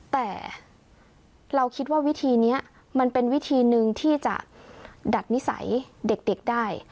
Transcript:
แต่เราคิดว่าวิธีนี้มันเป็นวิธีหนึ่งที่จะดัดนิสัยเด็กได้